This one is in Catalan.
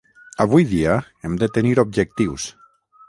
Avui dia hem de tenir objectius.